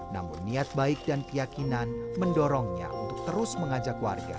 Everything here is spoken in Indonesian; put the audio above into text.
namun niat baik dan keyakinan mendorongnya untuk terus mengajak warga